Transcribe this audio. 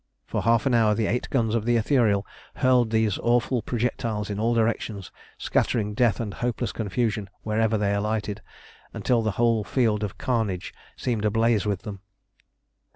For half an hour the eight guns of the Ithuriel hurled these awful projectiles in all directions, scattering death and hopeless confusion wherever they alighted, until the whole field of carnage seemed ablaze with them.